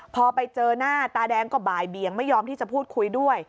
พอไปเจอหน้าตาแดงก็บ่ายเบียงไม่ยอมที่จะพูดคุยด้วย